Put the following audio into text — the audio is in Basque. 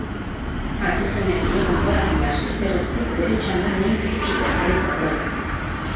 Atezainak dio denboraldia hasiz geroztik bere txanda noiz iritsiko zain zegoela.